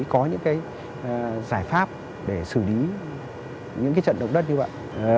có những cái giải pháp để xử lý những cái trận động đất như vậy